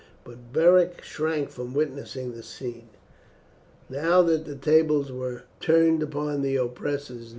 But Beric shrank from witnessing the scene, now that the tables were turned upon the oppressors.